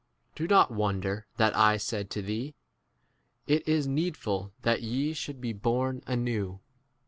Do not wonder that I said to thee, It is needful that ye 8 should be born anew.